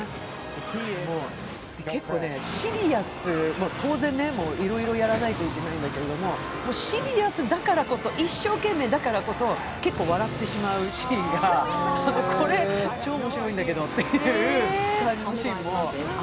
結構、当然いろいろやらないといけないんだけれども、シリアスだからこそ、一生懸命だからこそ、結構笑ってしまうシーンが、これ、超面白いんだけどってシーンが。